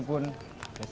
bikin sendiri pun